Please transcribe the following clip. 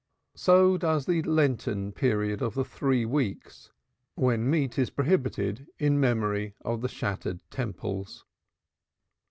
So does the Lenten period of the "Three Weeks," when meat is prohibited in memory of the shattered Temples.